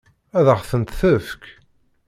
Ad ɣ-tent-tefk?